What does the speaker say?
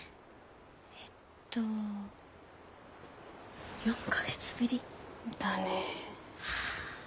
えっと４か月ぶり？だね。